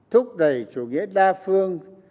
thúc đẩy chủ nghĩa đa phương